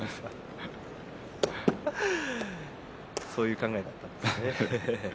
そういう考えだったんですね。